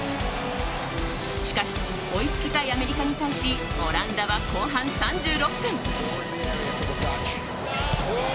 しかし追いつきたいアメリカに対しオランダは後半３６分。